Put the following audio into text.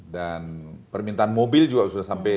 permintaan mobil juga sudah sampai